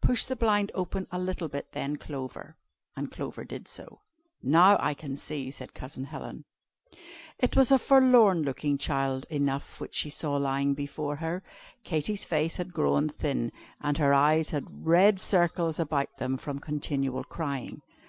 "Push the blind open a little bit then Clover;" and Clover did so. "Now I can see," said Cousin Helen. It was a forlorn looking child enough which she saw lying before her. Katy's face had grown thin, and her eyes had red circles about them from continual crying.